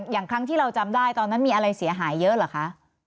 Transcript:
อย่างครั้งที่เราจำได้ตอนนั้นมีอะไรเสียหายเยอะเหรอคะ